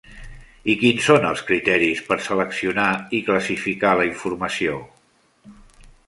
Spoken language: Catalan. I quins són els criteris per seleccionar i classificar la informació?